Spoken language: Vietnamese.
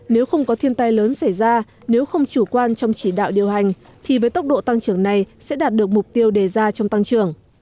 nếu không có thiên tai lớn xảy ra nếu không chủ quan trong chỉ đạo điều hành thì với tốc độ tăng trưởng này sẽ đạt được mục tiêu đề ra trong tăng trưởng